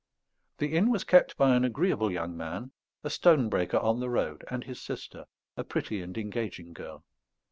The inn was kept by an agreeable young man, a stone breaker on the road, and his sister, a pretty and engaging girl.